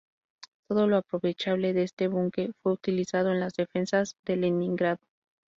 Todo lo aprovechable de este buque fue utilizado en las defensas de Leningrado.